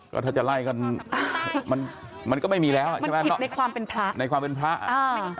ก็ถ้าจะไล่กันมันมันก็ไม่มีแล้วใช่ไหมในความเป็นพระในความเป็นพระอ่า